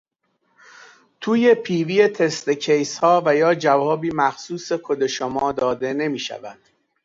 توی پیوی تست کیس ها و یا جوابی مخصوص کد شما داده نمیشود